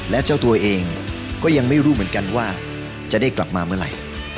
และเจ้าตัวเองก็ยังไม่รู้เหมือนกันว่าจะได้กลับมาเมื่อไหร่